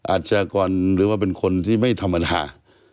อาชญากรหรือว่าเป็นคนที่ไม่ธรรมดา